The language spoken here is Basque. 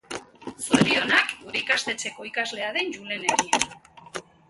Zorionak gure ikastetxeko ikaslea den Juleneri.